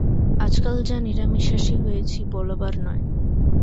আজকাল যা নিরামিষাশী হয়েছি, বলবার নয়।